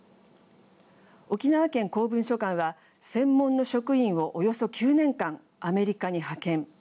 沖縄県公文書館は専門の職員をおよそ９年間アメリカに派遣。